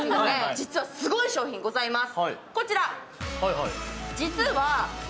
実はすごい商品、ございます。